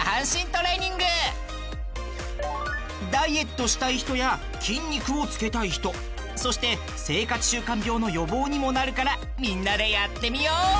ダイエットしたい人や筋肉をつけたい人そして生活習慣病の予防にもなるからみんなでやってみよう！